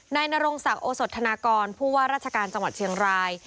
นรงศักดิ์โอสธนากรผู้ว่าราชการจังหวัดเชียงราย